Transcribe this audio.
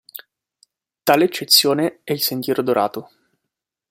Tale eccezione è il "Sentiero Dorato".